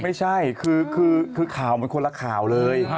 ไม่ใช่คือข่าวมันคนละข่าวเลย